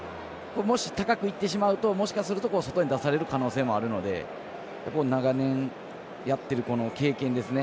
もし、高くいってしまうともしかすると外に出される可能性もあるので長年やってる経験ですね